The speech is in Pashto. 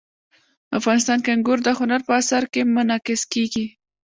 افغانستان کې انګور د هنر په اثار کې منعکس کېږي.